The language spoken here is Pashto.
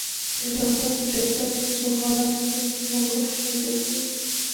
ډېری وختونه په جګړه ایزو حالاتو کې د ملګرو شمېر زیاتېږي.